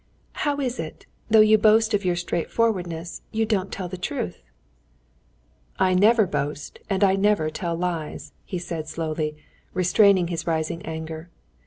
"How is it, though you boast of your straightforwardness, you don't tell the truth?" "I never boast, and I never tell lies," he said slowly, restraining his rising anger.